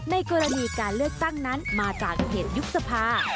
ในกรณีการเลือกตั้งนั้นมาจากเหตุยุบสภา